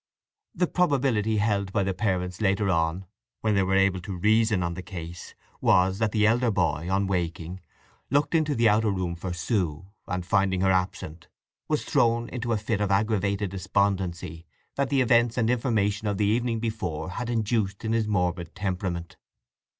The probability held by the parents later on, when they were able to reason on the case, was that the elder boy, on waking, looked into the outer room for Sue, and, finding her absent, was thrown into a fit of aggravated despondency that the events and information of the evening before had induced in his morbid temperament.